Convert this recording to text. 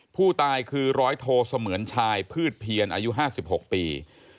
ผู้ตายคือร้อยโทเสมือนชายพืชเพียรอายุ๕๖ปี